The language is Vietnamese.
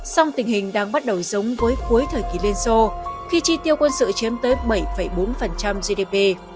song tình hình đang bắt đầu giống với cuối thời kỳ liên xô khi chi tiêu quân sự chiếm tới bảy bốn gdp